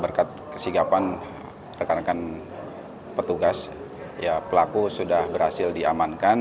berkat kesigapan rekan rekan petugas pelaku sudah berhasil diamankan